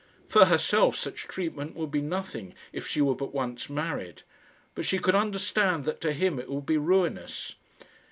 For herself such treatment would be nothing, if she were but once married; but she could understand that to him it would be ruinous.